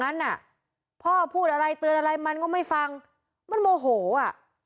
นั้นอ่ะพ่อพูดอะไรเตือนอะไรมันก็ไม่ฟังมันโมโหอ่ะ